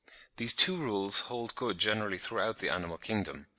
These two rules hold good generally throughout the animal kingdom.